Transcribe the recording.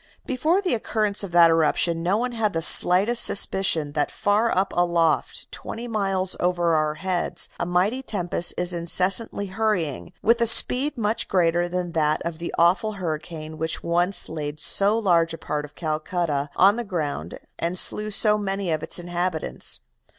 Before the occurrence of that eruption, no one had the slightest suspicion that far up aloft, twenty miles over our heads, a mighty tempest is incessantly hurrying, with a speed much greater than that of the awful hurricane which once laid so large a part of Calcutta on the ground and slew so many of its inhabitants.